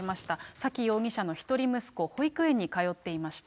沙喜容疑者の１人息子、保育園に通っていました。